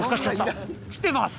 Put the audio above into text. きてます！